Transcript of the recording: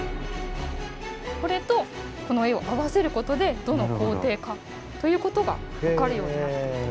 これとこの絵を合わせることでどの工程かということが分かるようになっていて。